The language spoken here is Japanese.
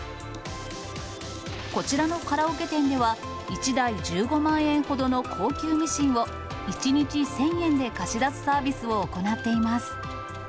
こちらのカラオケ店では、１台１５万円ほどの高級ミシンを、１日１０００円で貸し出すサービスを行っています。